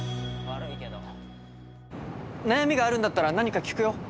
悩みがあるんだったら何か聞くよ。